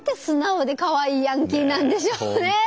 素直でかわいいヤンキーなんでしょうね。